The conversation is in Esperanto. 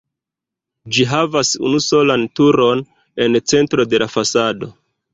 Ĝi havas unusolan turon en centro de la fasado.